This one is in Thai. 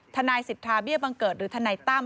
ทนายสิทธาเบี้ยบังเกิดหรือทนายตั้ม